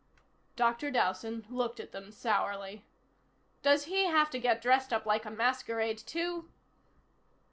Dr. Dowson looked at them sourly. "Does he have to get dressed up like a masquerade, too?"